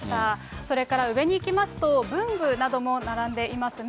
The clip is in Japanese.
それから上にいきますと、文具なども並んでいますね。